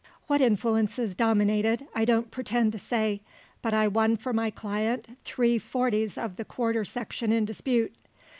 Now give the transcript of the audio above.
What influences dominated, I don't pretend to say, but I won for my client three forties of the quarter section in dispute.